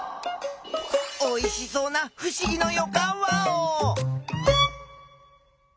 おいしそうなふしぎのよかんワオ！